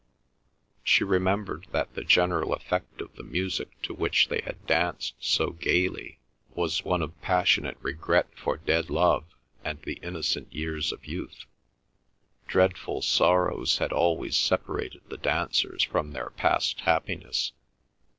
She remembered that the general effect of the music to which they had danced so gaily was one of passionate regret for dead love and the innocent years of youth; dreadful sorrows had always separated the dancers from their past happiness.